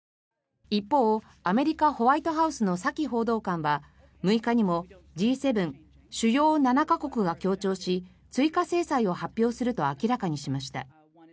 一方アメリカ・ホワイトハウスのサキ報道官は６日にもＧ７・主要７か国が協調し追加制裁を発表すると明らかにしました。